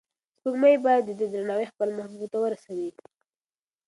سپوږمۍ باید د ده درناوی خپل محبوب ته ورسوي.